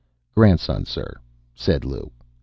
"Grandson, sir," said Lou.